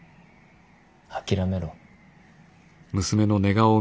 諦めろ。